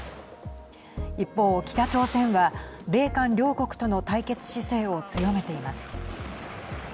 一方、北朝鮮は米韓両国との対決姿勢を強めています。